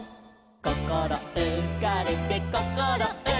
「こころうかれてこころうかれて」